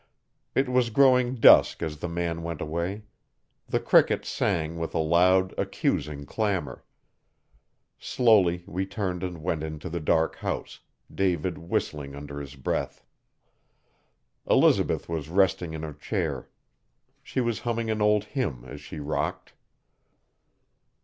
It was growing dusk as the man went away. The crickets sang with a loud, accusing, clamour. Slowly we turned and went into the dark house, David whistling under his breath. Elizabeth was resting in her chair. She was humming an old hymn as she rocked.